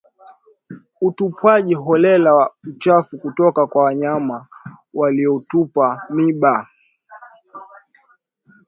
Utupwaji holela wa uchafu kutoka kwa wanyama waliotupa mimba